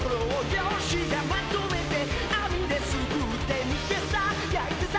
「漁師がまとめて網ですくって」「煮てさ焼いてさ